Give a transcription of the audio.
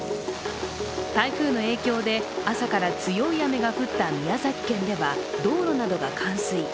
台風の影響で朝から強い雨が降った宮崎県では道路などが冠水。